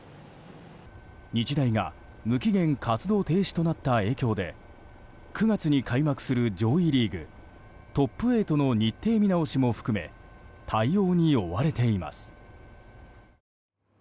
日大が無期限活動停止となった影響で９月に開幕する上位リーグ、ＴＯＰ８の日程見直しも含め対応に追われています。